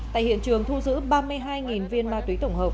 tại hiện trường thu giữ ba mươi hai viên ma túy tổng hợp